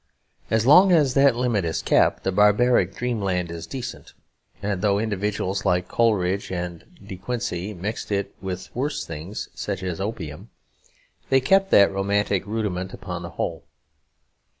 As long as that limit is kept, the barbaric dreamland is decent; and though individuals like Coleridge and De Quincey mixed it with worse things (such as opium), they kept that romantic rudiment upon the whole.